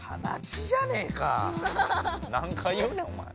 何回言うねんおまえ。